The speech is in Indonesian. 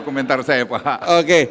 komentar saya pak oke